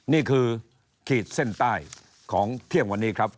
นี่คือขีดเส้นใต้ของเที่ยงวันนี้ครับ